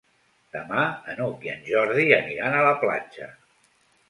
Demà n'Hug i en Jordi aniran a la platja.